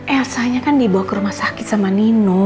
elsanya kan dibawa ke rumah sakit sama nino